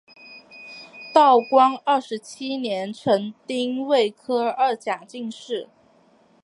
道光二十七年成丁未科二甲进士。